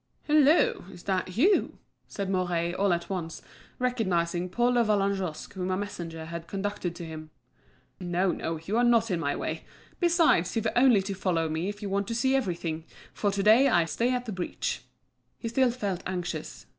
"Hullo! is that you?" said Mouret, all at once, recognising Paul de Vallagnosc whom a messenger had conducted to him. "No, no, you are not in my way. Besides, you've only to follow me if you want to see everything, for to day I stay at the breach." He still felt anxious.